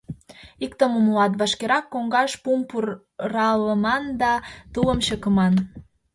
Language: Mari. Иктым умылат: вашкерак коҥгаш пум пуралыман да тулым чыкыман.